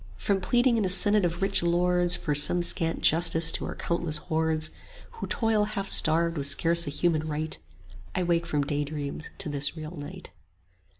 From pleading in a senate of rich lords For some scant justice to our countless hordes Who toil half starved with scarce a human right: 15 I wake from daydreams to this real night.